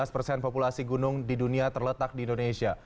tujuh belas persen populasi gunung di dunia terletak di indonesia